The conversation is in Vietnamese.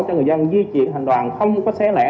cho người dân di chuyển hành đoàn không có xé lẻ